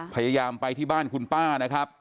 พยายามไปที่บ้านคุณป้านะครับ